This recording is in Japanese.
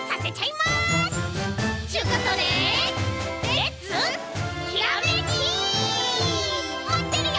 まってるよ！